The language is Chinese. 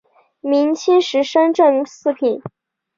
明清时升正四品。